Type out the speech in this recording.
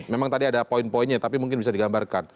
memang tadi ada poin poinnya tapi mungkin bisa digambarkan